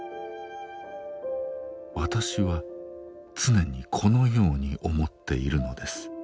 私は常にこのように思っているのです。